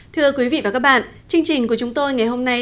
thắp sáng niềm tin a nh org vn